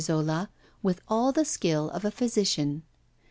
Zola with all the skill of a physician.